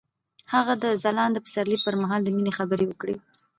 هغه د ځلانده پسرلی پر مهال د مینې خبرې وکړې.